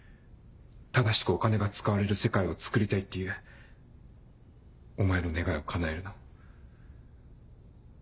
正しくお金が使われる世界をつくりたいっていうお前の願いをかなえるの。